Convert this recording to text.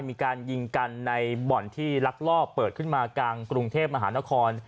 มีการยิงกันในบ่อนที่ลักลอบเปิดขึ้นมากลางกรุงเทพมหานคร